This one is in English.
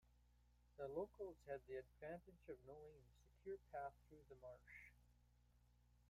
The locals had the advantage of knowing the secure path through the marsh.